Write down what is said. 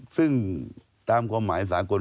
ซึ่งตามความหมายสากล